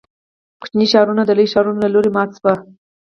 کوچني ښارونه د لویو ښارونو له لوري مات شوي.